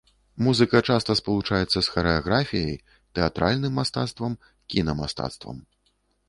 Музыка часта спалучаецца з харэаграфіяй, тэатральным мастацтвам, кіна-мастацтвам.